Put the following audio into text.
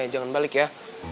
jangan balik ya